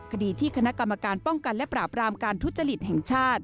คดีที่คณะกรรมการป้องกันและปราบรามการทุจริตแห่งชาติ